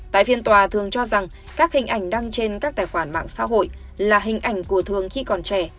tại phiên tòa thường cho rằng các hình ảnh đăng trên các tài khoản mạng xã hội là hình ảnh của thường khi còn trẻ